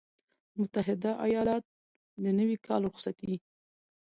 متحده ایالات - د نوي کال رخصتي